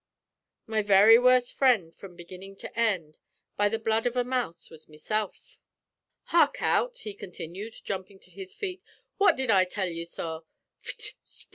"'My very worst friend from beginning to end, By the blood of a mouse, was mesilf.' Hark out!" he continued, jumping to his feet. "What did I tell you, sorr?" Fttl! spttl!